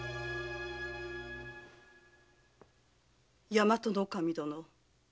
大和守殿。